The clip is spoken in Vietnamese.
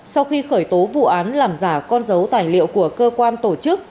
sau khi khởi tố vụ án làm giả con dấu tài liệu của cơ quan tổ chức